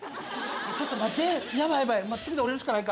ちょっと待ってヤバい